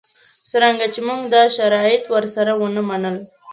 څرنګه چې موږ دا شرایط ورسره ونه منل.